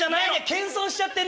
謙遜しちゃってね。